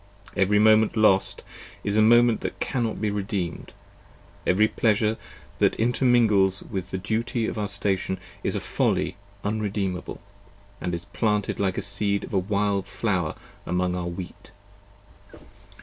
Every moment lost, is a moment that cannot be re deemed: every pleasure that intermingles with the duty of our station is a folly unredeemable, & is planted like the seed of a wild flower among our wheat.